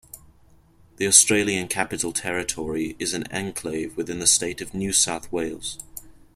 The Australian Capital Territory is an enclave within the state of New South Wales.